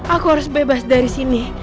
aku harus bebas dari sini